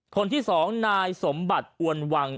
คนที่๒นายสมบัติอวนวัง